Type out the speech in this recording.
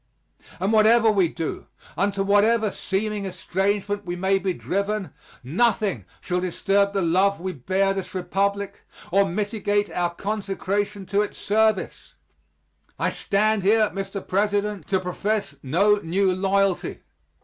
And whatever we do, into whatever seeming estrangement we may be driven, nothing shall disturb the love we bear this Republic, or mitigate our consecration to its service. I stand here, Mr. President, to profess no new loyalty.